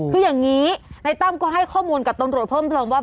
คืออย่างนี้ในตั้มก็ให้ข้อมูลกับตำรวจเพิ่มเติมว่า